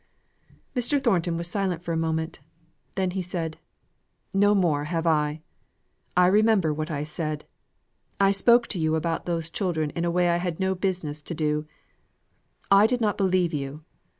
Mr. Thornton was silent for a moment; then he said: "No more have I. I remember what I said. I spoke to you about those children in a way I had no business to. I did not believe you.